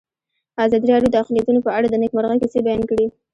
ازادي راډیو د اقلیتونه په اړه د نېکمرغۍ کیسې بیان کړې.